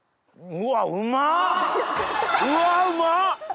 うわうまっ！